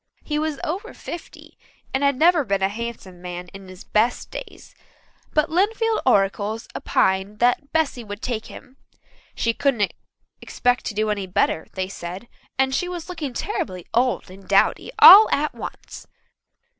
He was over fifty, and had never been a handsome man in his best days, but Lynnfield oracles opined that Bessy would take him. She couldn't expect to do any better, they said, and she was looking terribly old and dowdy all at once.